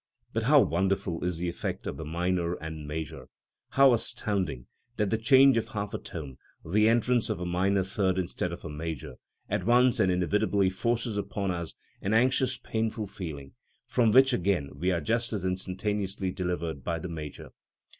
But how wonderful is the effect of the minor and major! How astounding that the change of half a tone, the entrance of a minor third instead of a major, at once and inevitably forces upon us an anxious painful feeling, from which again we are just as instantaneously delivered by the major.